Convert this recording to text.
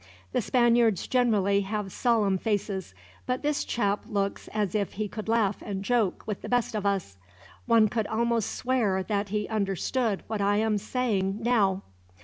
The Spaniards generally have solemn faces, but this chap looks as if he could laugh and joke with the best of us. One could almost swear that he understood what I am saying, now."